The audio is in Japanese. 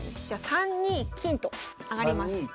じゃあ３二金と上がります。